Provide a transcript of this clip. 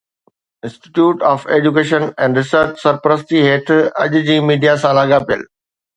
institute of education and research جي سرپرستي هيٺ اڄ جي ميڊيا سان لاڳاپيل